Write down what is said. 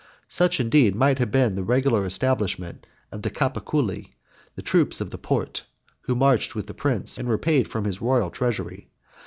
Such indeed might be the regular establishment of the Capiculi, 29 the troops of the Porte who marched with the prince, and were paid from his royal treasury.